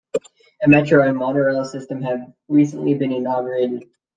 A metro and a monorail system have recently been inaugurated.